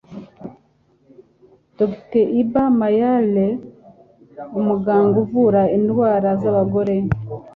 Dr Iba Mayele umuganga uvura indwara z'abagore